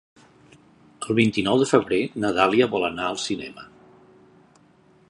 El vint-i-nou de febrer na Dàlia vol anar al cinema.